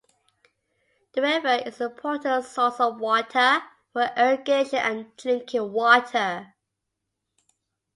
The river is an important source of water for irrigation and drinking water.